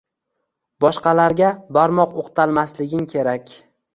Boshqalarga barmoq o’qtalmasliging kerak.